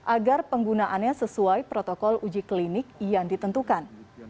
agar penggunaannya sesuai protokol uji klinik yang ditentukan